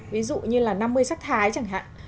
ví dụ như là năm mươi sắc thái chẳng hạn